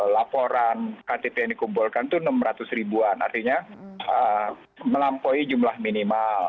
laporan ktp yang dikumpulkan itu enam ratus ribuan artinya melampaui jumlah minimal